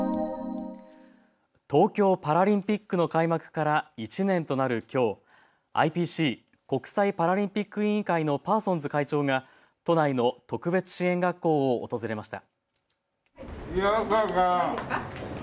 東京パラリンピックの開幕から１年となるきょう、ＩＰＣ・国際パラリンピック委員会のパーソンズ会長が都内の特別支援学校を訪れました。